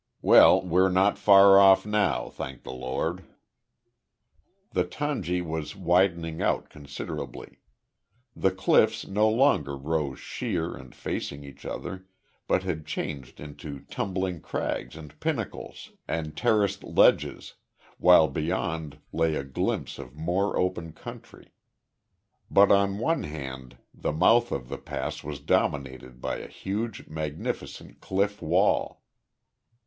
Well, we're not far off now, thank the Lord." The tangi was widening out considerably. The cliffs no longer rose sheer and facing each other, but had changed into tumbling crags and pinnacles, and terraced ledges, while beyond lay a glimpse of more open country. But on one hand the mouth of the pass was dominated by a huge, magnificent cliff wall.